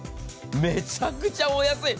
めちゃくちゃお安い。